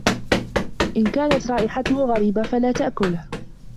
إن كانت رائحتة غريبة، فلا تأكله.